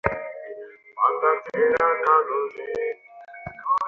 সকালবেলা এই বেড়ানোটা তাঁর খারাপ লাগে না।